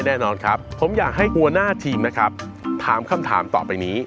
เดี๋ยวเลยสีล่าทีมนะครับถามคำถามต่อไปนี้